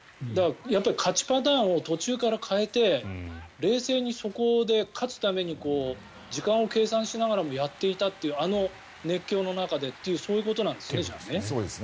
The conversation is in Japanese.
勝ちパターンを途中から変えて冷静にそこで勝つために時間を計算しながらやっていたというあの熱狂の中でというそうですね。